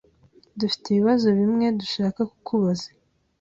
Dufite ibibazo bimwe dushaka kukubaza.